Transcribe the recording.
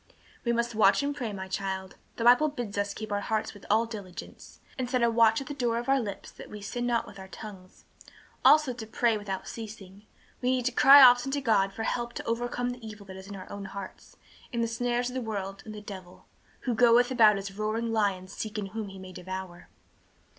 "We must watch and pray, my child. The Bible bids us keep our hearts with all diligence, and set a watch at the door of our lips that we sin not with our tongues. Also to pray without ceasing. We need to cry often to God for help to overcome the evil that is in our own hearts, and the snares of the world and the devil, 'who goeth about as a roaring lion seeking whom he may devour.'"